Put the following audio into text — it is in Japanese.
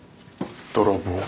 泥棒。